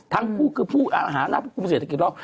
ทางคู่คือผู้อำนาจผู้กลุ่มเศรษฐกิจโลก